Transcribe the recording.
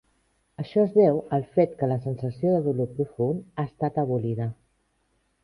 Això es deu al fet que la sensació de dolor profund ha estat abolida.